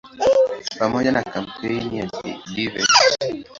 Pamoja na kampeni ya "Divest!